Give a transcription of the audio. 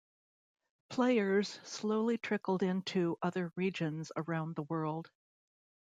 Players slowly trickled into other regions around the world.